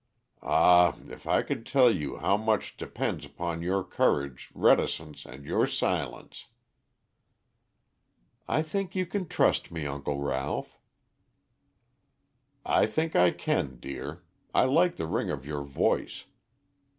Ah, if I could tell you how much depends upon your courage, reticence, and your silence!" "I think you can trust me, Uncle Ralph." "I think I can, dear. I like the ring of your voice.